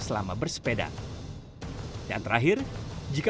selama bersepeda yang terakhir jika